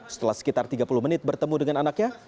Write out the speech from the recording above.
setelah sekitar tiga puluh menit bertemu dengan anaknya